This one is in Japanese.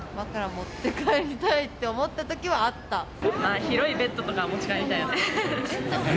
持って帰りたいって思った広いベッドとかは持ち帰りたいよね。